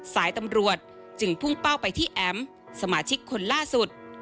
สายตำรวจจึงพุ่งเป้าไปที่แอ๋มสมาชิกคนล่าสุด